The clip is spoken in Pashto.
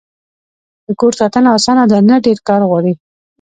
د کور ساتنه اسانه ده؟ نه، ډیر کار غواړی